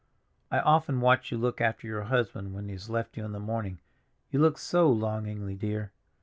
I often watch you look after your husband when he has left you in the morning; you look so longingly, dear.